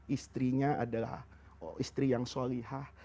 istrinya adalah istri yang solihah